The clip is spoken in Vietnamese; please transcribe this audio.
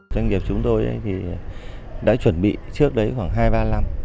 doanh nghiệp chúng tôi thì đã chuẩn bị trước đấy khoảng hai ba năm